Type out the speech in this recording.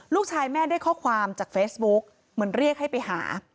ลูกชายแม่ได้ข้อความจากเฟซบุ๊กเหมือนเรียกให้ไปหา